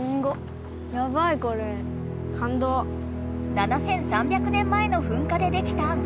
７，３００年前のふんかでできた崖。